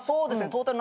トータル